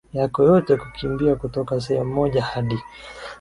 yako yote kukimbia kutoka sehemu moja hadi